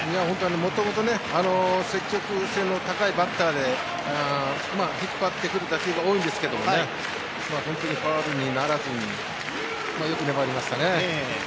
もともと、積極性の高いバッターで引っ張ってくる打球が多いんですけど本当にファウルにならずに、よく粘りましたね。